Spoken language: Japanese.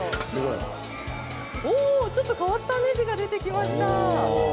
ちょっと変わったねじが出てきました。